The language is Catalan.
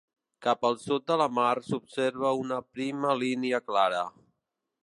Cap al sud de la mar s'observa una prima línia clara.